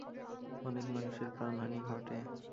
অনেক মানুষের প্রাণহানি ঘটে।